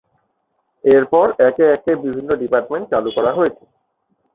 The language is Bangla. এরপর একে একে বিভিন্ন ডিপার্টমেন্ট চালু করা হয়েছে।